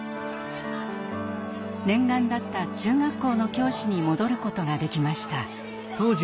念願だった中学校の教師に戻ることができました。